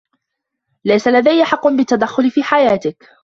ليس لديّ حقّ بالتّدخّل في حياتك.